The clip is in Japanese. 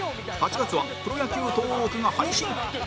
８月はプロ野球トーークが配信